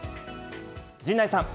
陣内さん。